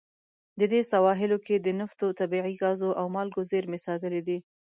د دې سواحلو کې د نفتو، طبیعي ګازو او مالګو زیرمې ساتلې دي.